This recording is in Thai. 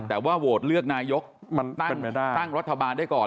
แต่ว่าโหวตเลือกนายกมันตั้งรัฐบาลได้ก่อน